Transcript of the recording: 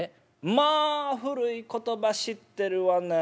「まあ古い言葉知ってるわねえ。